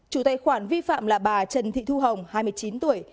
chủ tài khoản vi phạm là bà trần thị thu hồng hai mươi chín tuổi